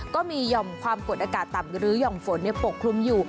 ก็มีห่อมความกดอากาศต่ำหรือห่อมฝนปกคลุมอยู่